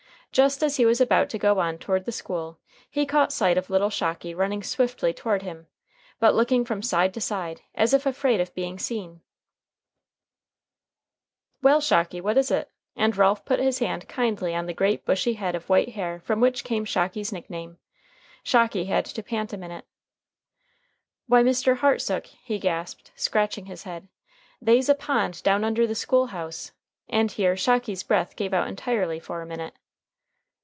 Just as he was about to go on toward the school, he caught sight of little Shocky running swiftly toward him, but looking from side to side, as if afraid of being seen. [Illustration: BETSY SHORT] "Well, Shocky, what is it?" and Ralph put his hand kindly on the great bushy head of white hair from which came Shocky's nickname. Shocky had to pant a minute. "Why, Mr. Hartsook," he gasped, scratching his head, "they's a pond down under the school house," and here Shocky's breath gave out entirely for a minute.